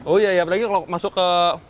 oh iya ya apalagi kalau masuk ke